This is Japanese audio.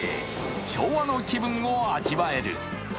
昭和の気分を味わえる。